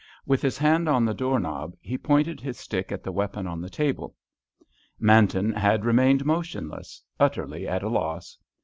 With his hand on the door knob, he pointed his stick at the weapon on the table. Manton had remained motionless; utterly at a loss.